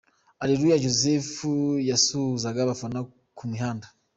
Areruya Joseph yasuhuzaga abafana ku mihanda